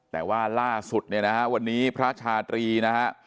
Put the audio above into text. แต่ว่าล่าสุดเนี่ยนะฮะวันนี้พระชาตรีนะฮะ